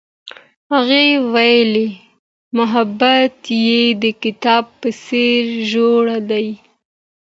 هغې وویل محبت یې د کتاب په څېر ژور دی.